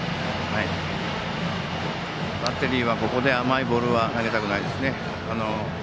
バッテリーはここで甘いボールは投げたくないですね。